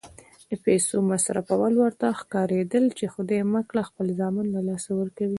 د پیسو مصرفول ورته ښکارېدل چې خدای مه کړه خپل زامن له لاسه ورکوي.